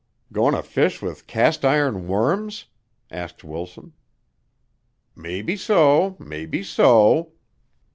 "Going to fish with cast iron worms?" asked Wilson. "Maybe so. Maybe so."